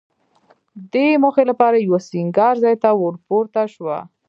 دې موخې لپاره یوه سینګار ځای ته ورپورته شوه.